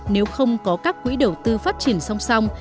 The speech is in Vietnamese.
nếu không có các quỹ đầu tư phát triển song song